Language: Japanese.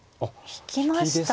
引きました。